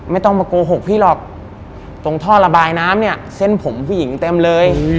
ไม่ต้องมาโกหกพี่หรอกตรงท่อระบายน้ำเนี่ยเส้นผมผู้หญิงเต็มเลย